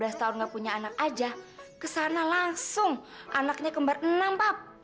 setahun gak punya anak aja kesana langsung anaknya kembar enam pap